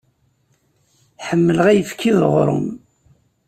Ḥemmleɣ ayefki d uɣrum.